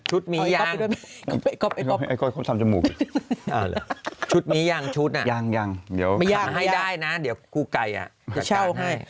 ชุดมียางฮะก๊อบล่ะชุดมียางชุดน่ะหมาให้ได้นะเดี๋ยวคู่ไก่อะกัดการให้